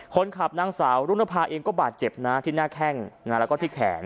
คนขับนางสาวรุณภาเองก็บาดเจ็บนะที่หน้าแข้งแล้วก็ที่แขน